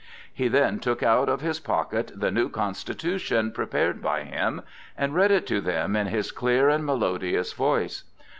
He then took out of his pocket the new constitution prepared by him and read it to them in his clear and melodious voice.